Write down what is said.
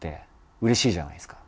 うれしいじゃないですか。